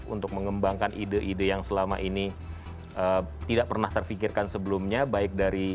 untuk mengembangkan ide ide yang selama ini tidak pernah terfikirkan sebelumnya baik dari